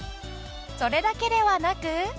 それだけではなく。